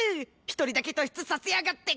１人だけ突出させやがって！